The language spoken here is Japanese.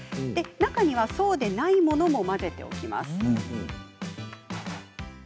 中にはそうでないものも混ぜておきます。